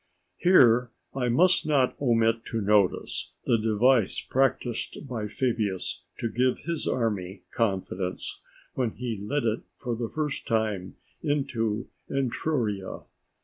_" Here I must not omit to notice the device practised by Fabius to give his army confidence, when he led it for the first time into Etruria.